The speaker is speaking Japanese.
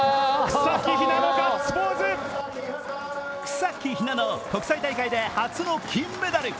草木ひなの、国際大会で初の金メダル。